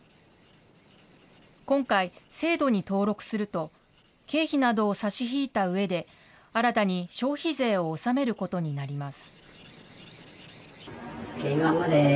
今回、制度に登録すると、経費などを差し引いたうえで、新たに消費税を納めることになります。